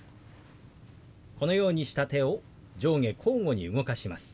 このようにした手を上下交互に動かします。